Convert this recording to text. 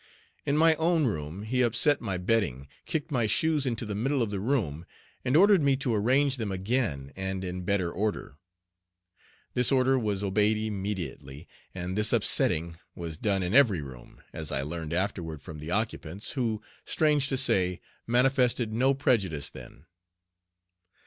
In my own room he upset my bedding, kicked my shoes into the middle of the room, and ordered me to arrange them again and in better order. This order was obeyed immediately. And this upsetting was done in every room, as I learned afterward from the occupants, who, strange to say, manifested no prejudice then.